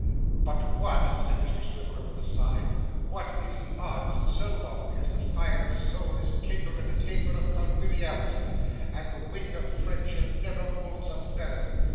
'But what,' said Mr Swiveller with a sigh, 'what is the odds so long as the fire of soul is kindled at the taper of conwiviality, and the wing of friendship never moults a feather!